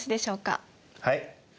はい。